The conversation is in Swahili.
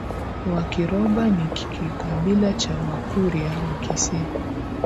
Wakiroba ni kikabila cha Wakurya Wakisii